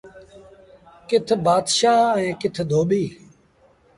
ڪٿ بآتشآه ائيٚݩ ڪٿ ڌوٻيٚ۔